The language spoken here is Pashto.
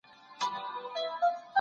آیا تاسو د ادئب په نقش پوهېږئ؟